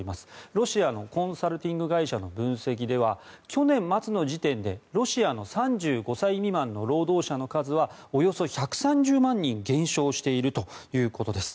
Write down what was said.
ロシアのコンサルティング会社の分析では去年末の時点で、ロシアの３５歳未満の労働者の数はおよそ１３０万人減少しているということです。